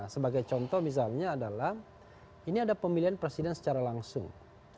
sebagai contoh misalnya adalah ini ada pemilihan presiden secara langsung